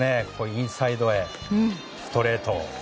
インサイドへストレート。